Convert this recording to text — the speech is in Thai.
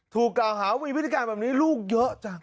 ถูกกล่าวหาว่ามีพฤติการแบบนี้ลูกเยอะจัง